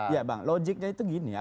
ya bang logiknya itu gini ya